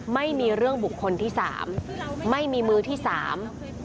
ไม่มีเรื่องบุคคลที่สามไม่มีมือที่สาม